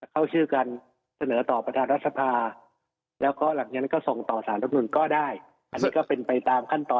เข้าชื่อกันเสนอต่อประธานรัฐศภา